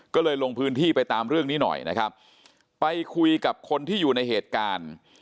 ก็เลยลงพื้นที่ไปตามเรื่องนี้หน่อยนะครับไปคุยกับคนที่อยู่ในเหตุการณ์